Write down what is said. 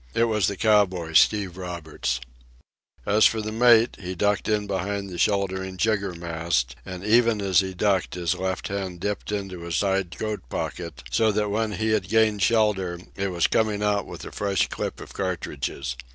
It was the cowboy, Steve Roberts. As for the mate, he ducked in behind the sheltering jiggermast, and even as he ducked his left hand dipped into his side coat pocket, so that when he had gained shelter it was coming out with a fresh clip of cartridges.